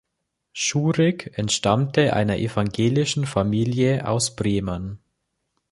Schurig entstammte einer evangelischen Familie aus Bremen.